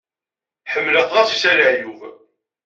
Ḥemmelɣ-t, ɣas yesɛa leɛyub.